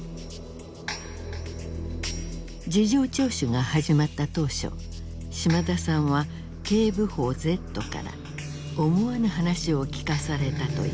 事情聴取が始まった当初島田さんは警部補Ｚから思わぬ話を聞かされたという。